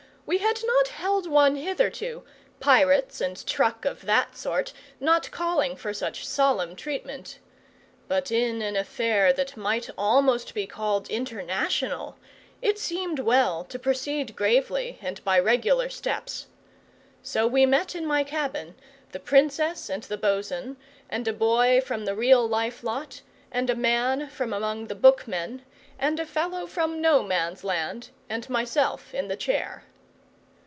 We had not held one hitherto, pirates and truck of that sort not calling for such solemn treatment. But in an affair that might almost be called international, it seemed well to proceed gravely and by regular steps. So we met in my cabin the Princess, and the bo'sun, and a boy from the real life lot, and a man from among the book men, and a fellow from No man's land, and myself in the chair.